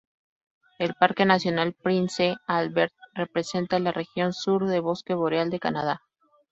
El Parque nacional Prince Albert representa la región sur de bosque boreal de Canadá.